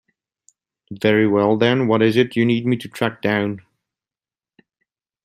Very well then, what is it that you need me to track down?